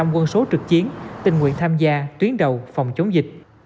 quân số trực chiến tình nguyện tham gia tuyến đầu phòng chống dịch